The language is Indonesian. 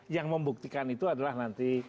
yang membuktikan itu adalah nanti